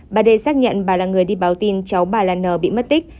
bà t t d xác nhận bà là người đi báo tin cháu bà là n bị mất tích